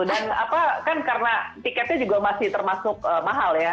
dan apa kan karena tiketnya juga masih termasuk mahal ya